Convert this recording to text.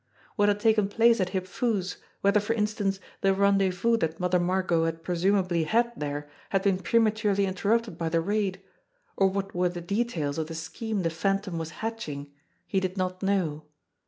What had taken place at Hip Foo's, whether for instance the ren dezvous that Mother Margot had presumably had there had been prematurely interrupted by the raid, or what were the details of the scheme the Phantom was hatching, he did not know.